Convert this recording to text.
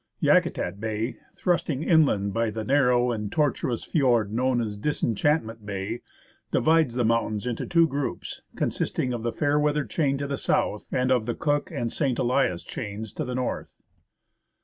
Yakutat Bay, thrusting inland by the narrow and tortuous fiord known as Disenchantment Bay, divides the mountains into two groups, consisting of the Fairweather chain to the south, and of the Cook and St. Elias chains to the north.